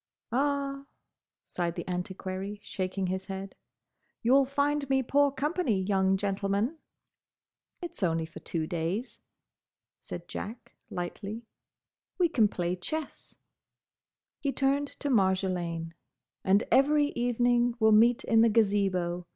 "Ah," sighed the Antiquary, shaking his head, "you'll find me poor company, young gentleman." "It's only for two days," said Jack lightly. "We can play chess." He turned to Marjolaine. "And every evening we'll meet in the Gazebo.